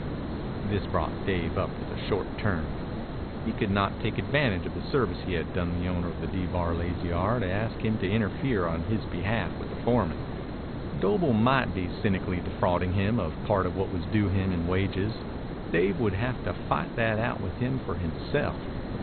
This brought Dave up with a short turn. He could not take advantage of the service he had done the owner of the D Bar Lazy R to ask him to interfere in his behalf with the foreman. Doble might be cynically defrauding him of part of what was due him in wages. Dave would have to fight that out with him for himself.